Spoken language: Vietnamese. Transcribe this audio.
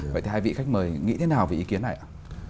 vậy thì hai vị khách mời nghĩ thế nào về ý kiến này ạ